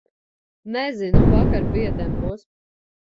Nezinu, vakar pietempos.